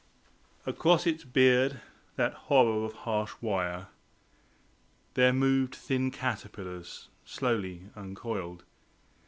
Across its beard, that horror of harsh wire, There moved thin caterpillars, slowly uncoiled.